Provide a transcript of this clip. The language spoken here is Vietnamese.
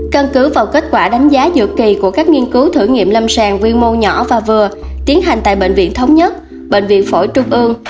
căn cứ vào kết quả đánh giá giữa kỳ của các nghiên cứu thử nghiệm lâm sàng quy mô nhỏ và vừa tiến hành tại bệnh viện thống nhất bệnh viện phổi trung ương